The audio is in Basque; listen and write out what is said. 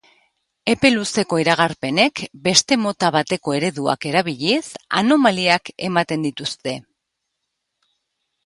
Epe luzeko iragarpenek, beste mota bateko ereduak erabiliz, anomaliak ematen dituzte.